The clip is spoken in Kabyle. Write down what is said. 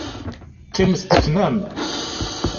Qqimet teknam!